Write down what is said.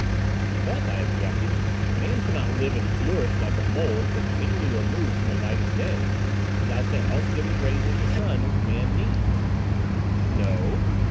"But," I objected, "man cannot live and flourish like a mole continually removed from the light of day, without the health giving rays of the sun, which man needs." "No?"